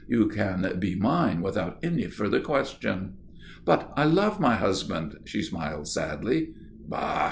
You can be mine without any further question." "But I love my husband," she smiled, sadly. "Bah!"